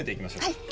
はい。